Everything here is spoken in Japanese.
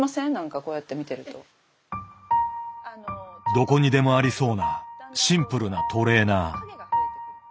どこにでもありそうなシンプルなトレーナー。